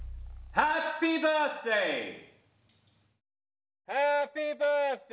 ハッピーバースディ。